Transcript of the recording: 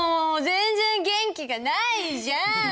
全然元気がないじゃん！